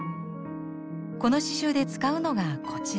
この刺しゅうで使うのがこちら。